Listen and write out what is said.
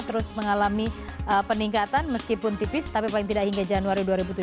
terus mengalami peningkatan meskipun tipis tapi paling tidak hingga januari dua ribu tujuh belas